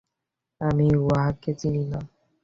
আমি উহাকে চিনি না!